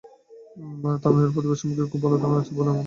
তামিমের প্রতিভা সম্পর্কে খুব ভালো ধারণা আছে বলেই অমন মন্তব্য করেছিলেন।